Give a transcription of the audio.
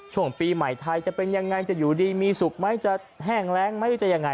ช่วงปีใหม่ไทยจะเป็นยังไงจะอยู่ดีมีสุขไหมจะแห้งแรงไหมจะยังไง